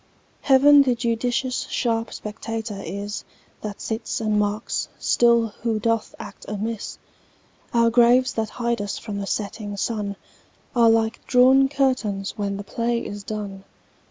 Heaven the judicious sharp spectator is, That sits and marks still who doth act amiss. Our graves that hide us from the setting sun Are like drawn curtains when the play is done.